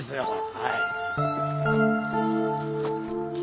はい。